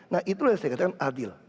nah itulah yang saya katakan adil